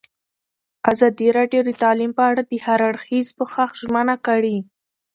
ازادي راډیو د تعلیم په اړه د هر اړخیز پوښښ ژمنه کړې.